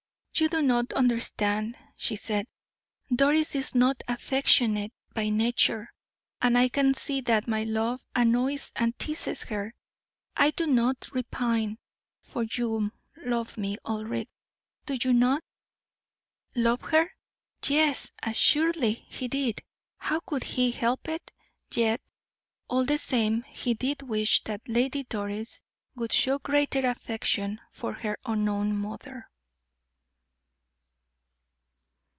"You do not understand," she said. "Doris is not affectionate by nature, and I can see that my love annoys and teases her. I do not repine, for you love me, Ulric, do you not?" Love her? Yes, assuredly he did; how could he help it? Yet, all the same, he did wish that Lady Doris would show greater affection for her unknown mother.